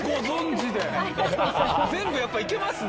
全部やっぱいけますね。